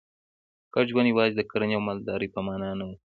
ګډ ژوند یوازې د کرنې او مالدارۍ په معنا نه و.